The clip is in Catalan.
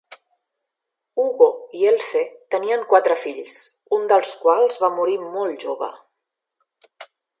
Hugo i Else tenien quatre fills, un dels quals va morir molt jove.